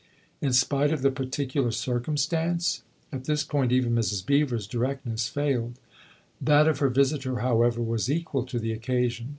" In spite of the particular circumstance ?" At this point even Mrs. Beever's directness failed. That of her visitor, however, was equal to the occasion.